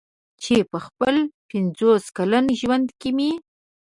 چې په خپل پنځوس کلن ژوند کې مې.